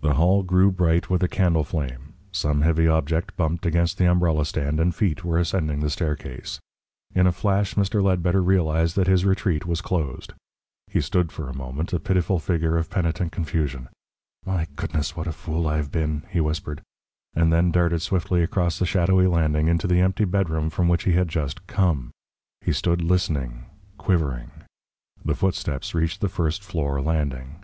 The hall grew bright with a candle flame, some heavy object bumped against the umbrella stand, and feet were ascending the staircase. In a flash Mr. Ledbetter realised that his retreat was closed. He stood for a moment, a pitiful figure of penitent confusion. "My goodness! What a FOOL I have been!" he whispered, and then darted swiftly across the shadowy landing into the empty bedroom from which he had just come. He stood listening quivering. The footsteps reached the first floor landing.